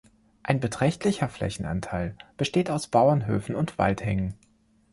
Ein beträchtlicher Flächenanteil besteht aus Bauernhöfen und Waldhängen.